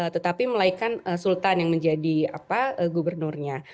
tetapi melainkan sultan yang menjadi gubernurnya